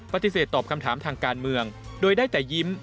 ปฏิเสธตอบคำถามทางการเมืองโดยได้แต่ยิ้ม